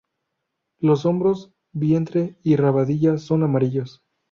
Los hombros, vientre y rabadilla son amarillos.